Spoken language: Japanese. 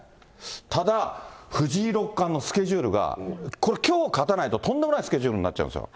ただ、藤井六冠のスケジュールが、これきょう勝たないと、とんでもないスケジュールになっちゃうんですよ。